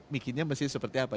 mungkinnya mesin seperti apa